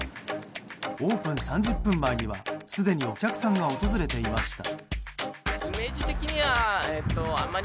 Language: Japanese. オープン３０分前にはすでにお客さんが訪れていました。